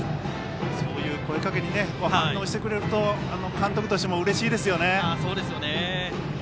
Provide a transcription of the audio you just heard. そういう声かけに反応してくれると監督としてもうれしいですよね。